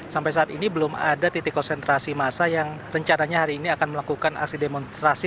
sampai saat ini belum ada titik konsentrasi masa yang rencananya hari ini akan melakukan aksi demonstrasi